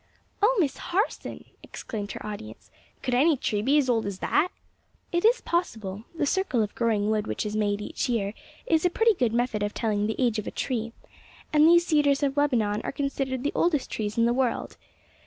"Oh, Miss Harson!" exclaimed her audience; "could any tree be as old as that?" "It is possible. The circle of growing wood which is made each year is a pretty good method of telling the age of a tree, and these cedars of Lebanon are considered the oldest trees in the world.